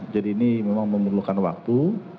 jadi ini memang memerlukan waktu